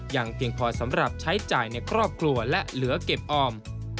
เพียงพอสำหรับใช้จ่ายในครอบครัวและเหลือเก็บออม